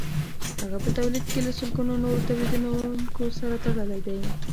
هغه په تولید کې له سلګونو نورو تولیدونکو سره تړلی دی